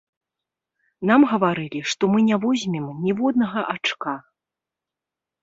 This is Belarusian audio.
Нам гаварылі, што мы не возьмем ніводнага ачка.